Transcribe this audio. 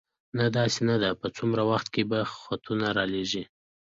نه، داسې نه ده، په څومره وخت کې به خطونه را لېږې؟